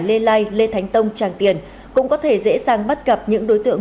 lê lai lê thánh tông tràng tiền cũng có thể dễ dàng bắt gặp những đối tượng